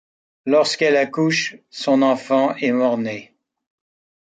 Lorsqu'elle accouche, son enfant est mort-né.